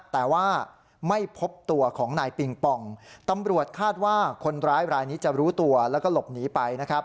แต่ว่าไม่พบตัวของนายปิงปองตำรวจคาดว่าคนร้ายรายนี้จะรู้ตัวแล้วก็หลบหนีไปนะครับ